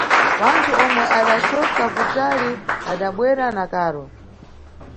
Wanthu omwe adacoka kutali adabwera na karo.